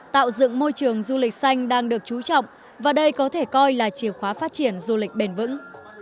tạo dựng môi trường du lịch xanh đang được chú trọng và đây có thể coi là chiều khóa phát triển du lịch bền vững